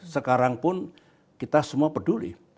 sekarang pun kita semua peduli